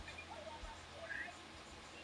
市人民政府驻尚志镇。